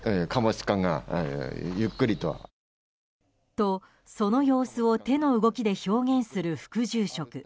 と、その様子を手の動きで表現する副住職。